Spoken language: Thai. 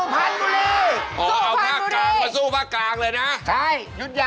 เป้ายิงชุด